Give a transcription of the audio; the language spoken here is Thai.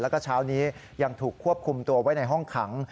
แล้วก็เช้านี้ยังถูกควบคุมตัวไว้ในห้องขัง